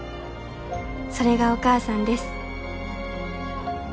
それがお母さんです。